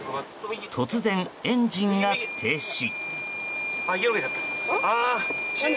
突然エンジンが停止。